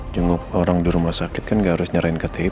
jenguk orang di rumah sakit kan nggak harus nyerahin ktp